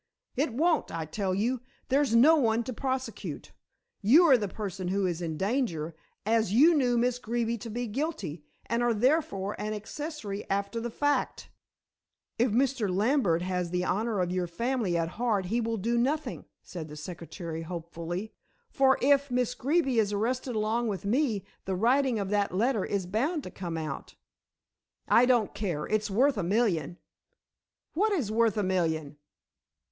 "It won't, I tell you. There's no one to prosecute. You are the person who is in danger, as you knew Miss Greeby to be guilty, and are therefore an accessory after the fact." "If Mr. Lambert has the honor of your family at heart he will do nothing," said the secretary hopefully; "for if Miss Greeby is arrested along with me the writing of that letter is bound to come out." "I don't care. It's worth a million." "What is worth a million?"